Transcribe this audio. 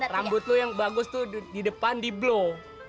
rambut lo yang bagus tuh di depan di blo